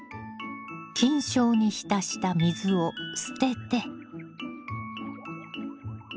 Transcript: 菌床に浸した水を捨てて。